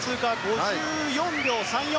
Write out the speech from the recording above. ５４秒３４。